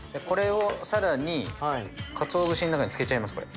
これを更にかつお節の中に漬けちゃいます